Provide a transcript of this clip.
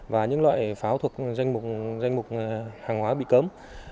và những loại pháo thuộc danh mục hàng hóa bị cấm